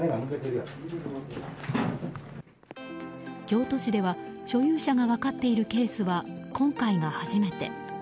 京都市では、所有者が分かっているケースは今回が初めて。